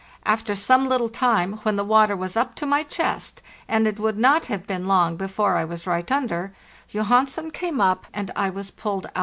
After some little time, when the water was up to my chest, and it would not have been long before I was right under, Johansen came up and I was pulled out.